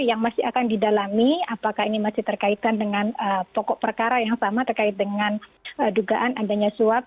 yang masih akan didalami apakah ini masih terkaitkan dengan pokok perkara yang sama terkait dengan dugaan adanya suap